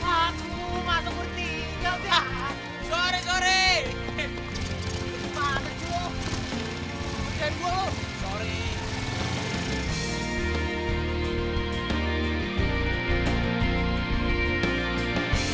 aku masuk berdiri yaudah